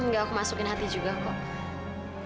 nggak aku masukin hati juga kok